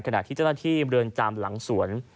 ขณะที่เจ้าหน้าที่เรือนจำหลังสวน